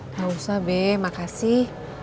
gak usah be makasih